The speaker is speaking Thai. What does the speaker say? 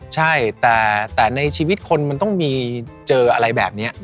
ใช่แต่ในชีวิตคนมันต้องมีเจออะไรแบบนี้